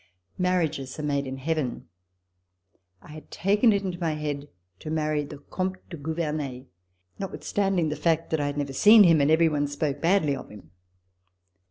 Marriages are made in Heaven. I had taken it into my head to marry the Comte de Gouvernet, C35] RECOLLECTIONS OF THE REVOLUTION notwithstanding the fact that I had never seen him and every one spoke badly of him.